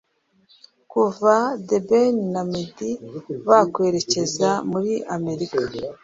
Kuva The Ben na Meddy bakwerekeza muri Amerika